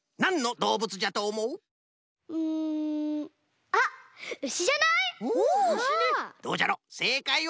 どうじゃろせいかいは。